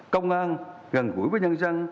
công an gần gũi với nhân dân